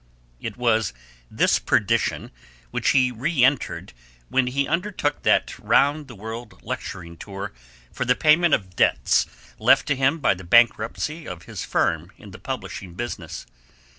It was this perdition which he re entered when he undertook that round the world lecturing tour for the payment of the debts left to him by the bankruptcy of his firm in the publishing business.